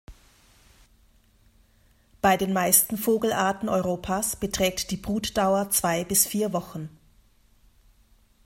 Bei den meisten Vogelarten Europas beträgt die Brutdauer zwei bis vier Wochen.